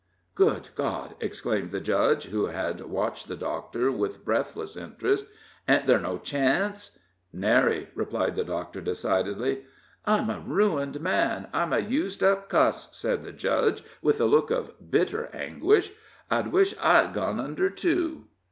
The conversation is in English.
"Good God!" exclaimed the Judge, who had watched the Doctor with breathless interest; "ain't ther' no chance?" "Nary," replied the Doctor, decidedly. "I'm a ruined man I'm a used up cuss," said the Judge, with a look of bitter anguish. "I wish I'd gone under, too."